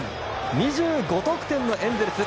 ２５得点のエンゼルス。